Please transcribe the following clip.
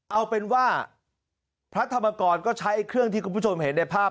เอาเป็นว่าพระธรรมกรก็ใช้เครื่องที่คุณผู้ชมเห็นในภาพ